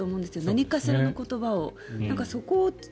何かしらの言葉を。